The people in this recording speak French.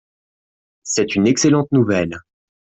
C’est une excellente nouvelle.